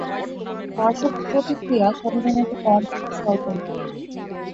পার্শ্ব প্রতিক্রিয়া সাধারণত কম এবং স্বল্প মেয়াদী।